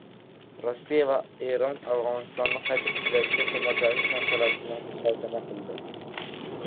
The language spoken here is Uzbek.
Rossiya va Eron Afg‘onistonni qayta tiklashga ko‘maklashish masalasini muhokama qilishdi